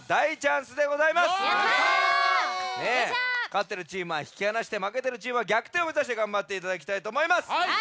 かってるチームはひきはなしてまけてるチームはぎゃくてんをめざしてがんばっていただきたいとおもいます。